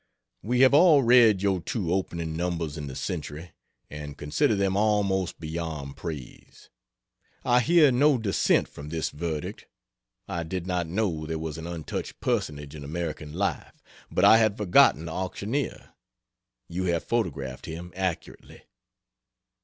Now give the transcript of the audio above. We have all read your two opening numbers in the Century, and consider them almost beyond praise. I hear no dissent from this verdict. I did not know there was an untouched personage in American life, but I had forgotten the auctioneer. You have photographed him accurately.